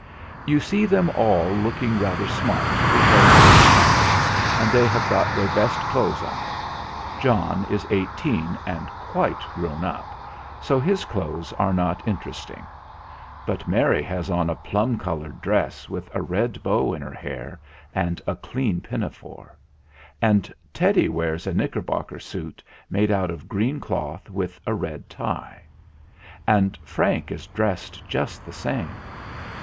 You see them all looking rather smart, because it is Sunday, and they have got their best clothes on. John is eighteen and quite grown up, so his clothes are not inter MERRIPIT FARM 63 esting; but Mary has on a plum coloured dress with a red bow in her hair and a clean pinafore; and Teddy wears a knickerbocker suit made out of green cloth, with a red tie; and Frank is dressed just the same.